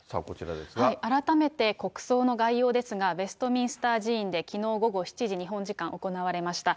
改めて、国葬の概要ですが、ウェストミンスター寺院できのう午後７時、日本時間、行われました。